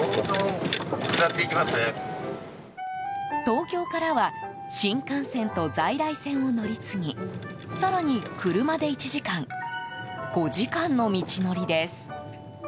東京からは新幹線と在来線を乗り継ぎ更に車で１時間５時間の道のりです。